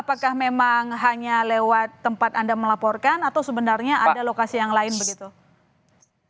apakah memang hanya lewat tempat anda melaporkan atau sebenarnya ada lokasi yang lain begitu